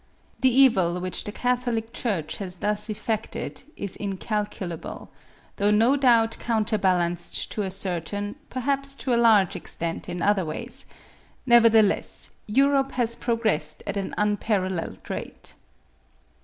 The evil which the Catholic Church has thus effected is incalculable, though no doubt counterbalanced to a certain, perhaps to a large, extent in other ways; nevertheless, Europe has progressed at an unparalleled rate.